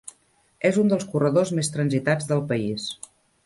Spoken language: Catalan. És un dels corredors més transitats del país.